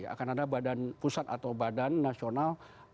akan ada badan pusat atau badan nasional